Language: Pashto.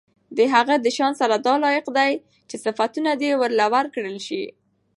د هغه د شان سره دا لائق دي چې صفتونه دي ورله وکړل شي